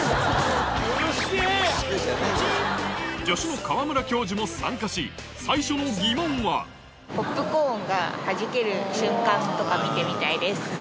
助手の川村教授も参加し最初の疑問はとか見てみたいです。